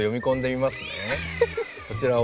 こちらを。